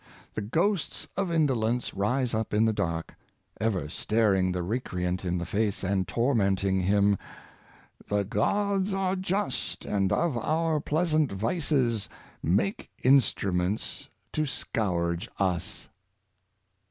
The ghosts of indolence rise up in the dark, ever staring the recreant in the face, and tormenting him: *' The gods are just, and of our pleasant vices, Make instruments to scourge us."